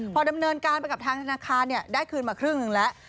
พอดำเนินการไปกับทางธนาคารได้คืนมาครึ่งหนึ่งแล้ว